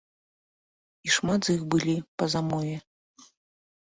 І шмат з іх былі па замове.